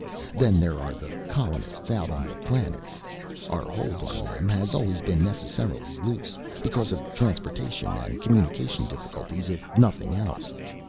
Then there are the colonists out on the planets our hold on them has always necessarily been loose, because of transportation and communication difficulties if nothing else.